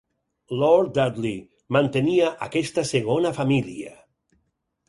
Lord Dudley mantenia aquesta segona família.